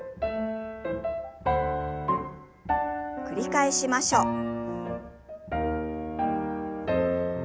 繰り返しましょう。